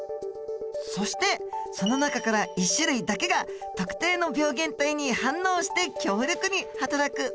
そしてその中から１種類だけが特定の病原体に反応して強力にはたらく。